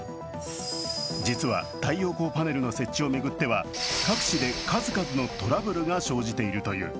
実は太陽光パネルの設置を巡っては各地で数々のトラブルが生じているという。